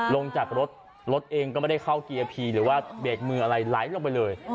ลงจากรถรถเองก็ไม่ได้เข้าเกียร์พีหรือว่าเบรกมืออะไรไหลลงไปเลย